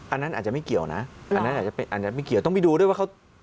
อันนั้นอาจจะไม่เกี่ยวนะอันนั้นอาจจะไม่เกี่ยวต้องไปดูด้วยว่าเขา